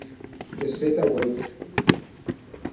De sèt a ueit.